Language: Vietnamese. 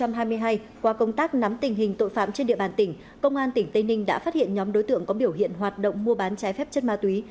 năm hai nghìn hai mươi hai qua công tác nắm tình hình tội phạm trên địa bàn tỉnh công an tỉnh tây ninh đã phát hiện nhóm đối tượng có biểu hiện hoạt động mua bán trái phép chất ma túy